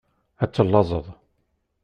Ad tellaẓeḍ.